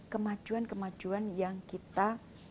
kemajuan kemajuan yang kita